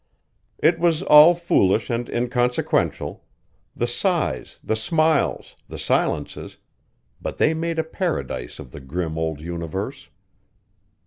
It was all foolish and inconsequential the sighs, the smiles, the silences but they made a paradise of the grim old universe.